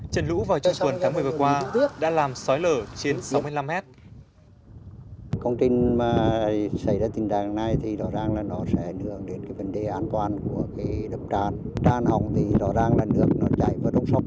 trận lũ vào chung tuần tháng một mươi vừa qua đã làm sói lở trên sáu mươi năm mét